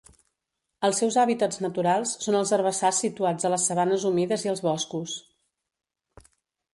Els seus hàbitats naturals són els herbassars situats a les sabanes humides i els boscos.